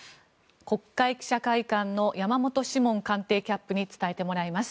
国会記者会館の山本志門官邸キャップに伝えてもらいます。